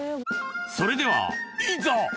それではいざ！